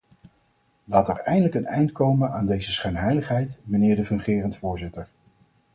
Laat er eindelijk een eind komen aan deze schijnheiligheid, mijnheer de fungerend voorzitter.